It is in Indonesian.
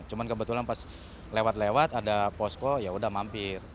cuma kebetulan pas lewat lewat ada posko yaudah mampir